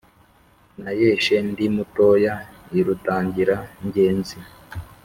nayeshe ndi mutoya i rutangira ngenzi.